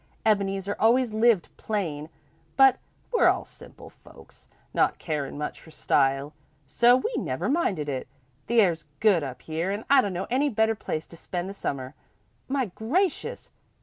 Ebeneezer always lived plain, but we're all simple folks, not carin' much for style, so we never minded it. The air's good up here an' I dunno any better place to spend the Summer. My gracious!